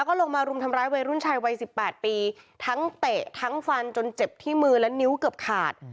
ก็ลงมารุมทำร้ายวัยรุ่นชายวัยสิบแปดปีทั้งเตะทั้งฟันจนเจ็บที่มือและนิ้วเกือบขาด